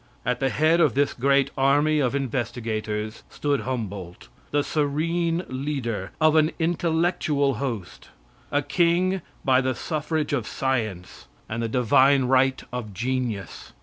At the head of this great army of investigators stood Humboldt the serene leader of an intellectual host a king by the suffrage of science, and the divine right of genius.